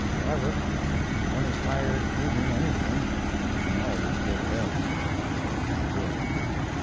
However, when one is tired hating anything he can always go to bed. I will.